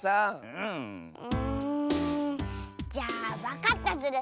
うんじゃあわかったズル。